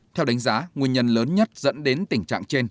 theo đánh giá nguyên nhân lớn nhất dẫn đến tình trạng trên